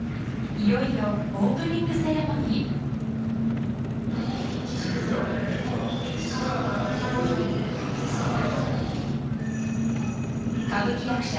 いよいよオープニングセレモニー歌舞伎役者